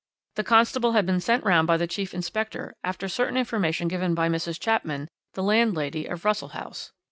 The constable had been sent round by the chief inspector, after certain information given by Mrs. Chapman, the landlady of Russell House.